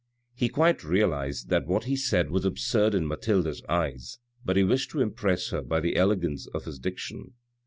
He quite realised that what he said was absurd in Mathilde's eyes, but he wished to impress her by the elegance of his diction.